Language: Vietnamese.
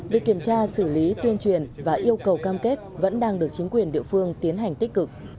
việc kiểm tra xử lý tuyên truyền và yêu cầu cam kết vẫn đang được chính quyền địa phương tiến hành tích cực